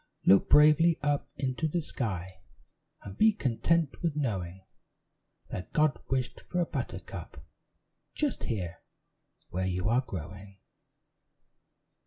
"Look bravely up into the sky, And be content with knowing That God wished for a buttercup Just here, where you are growing."